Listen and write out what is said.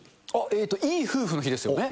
えっと、いい夫婦の日ですよね。